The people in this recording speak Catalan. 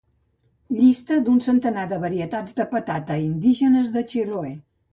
Llista d'un centenar de varietats de patata indígenes de Chiloé.